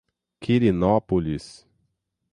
Quirinópolis